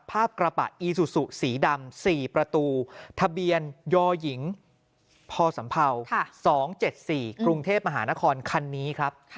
ภาพกระปะอีสุสุสีดำ๔ประตูทะเบียนยหญิงพสัมเภา๒๗๔กรุงเทพฯมหานครคันนี้ครับ